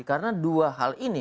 karena dua hal ini